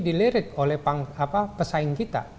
dikirimkan oleh pesaing kita